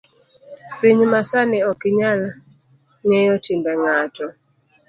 Piny masani okinyal ngeyo timbe ngato